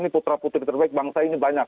ini putra putri terbaik bangsa ini banyak